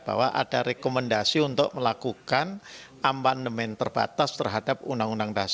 bahwa ada rekomendasi untuk melakukan amandemen terbatas terhadap uud seribu sembilan ratus empat puluh lima